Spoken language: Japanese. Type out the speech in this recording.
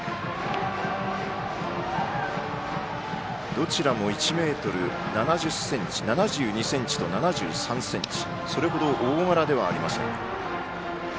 どちらも１ｍ７２ｃｍと７３ｃｍそれ程、大柄ではありません。